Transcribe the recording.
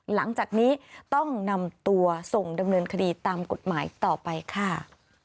หลังจากนี้ต้องนำตัวส่งดำเนินคดีตามกฎหมายต่อไปค่ะ